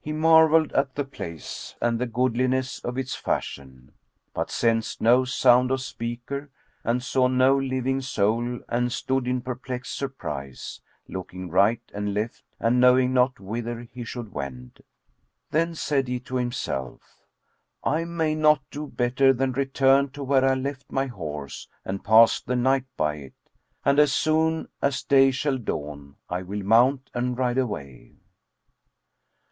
He marvelled at the place and the goodliness of its fashion, but sensed no sound of speaker and saw no living soul and stood in perplexed surprise, looking right and left and knowing not whither he should wend. Then said he to himself, "I may not do better than return to where I left my horse and pass the night by it; and as soon as day shall dawn I will mount and ride away."